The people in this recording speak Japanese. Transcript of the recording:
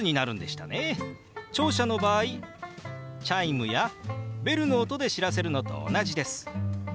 聴者の場合チャイムやベルの音で知らせるのと同じです。